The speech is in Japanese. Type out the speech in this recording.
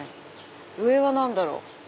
上は何だろう？